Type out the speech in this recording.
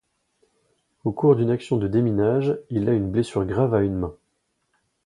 Au cours d'une action de déminage, il a une blessure grave à une main.